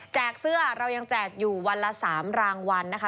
เสื้อเรายังแจกอยู่วันละ๓รางวัลนะคะ